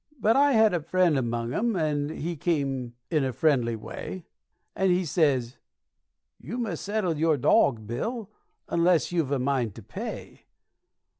But I had a friend among 'em, and he come in a friendly way, And he sez, 'You must settle your dawg, Bill, unless you've a mind to pay.'